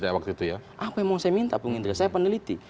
apa yang mau saya minta saya peneliti